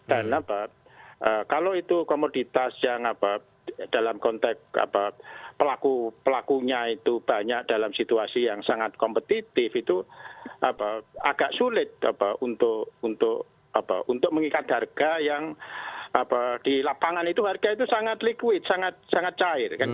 dan kalau itu komoditas yang dalam konteks pelaku pelakunya itu banyak dalam situasi yang sangat kompetitif itu agak sulit untuk mengikat harga yang di lapangan itu harga itu sangat liquid sangat cair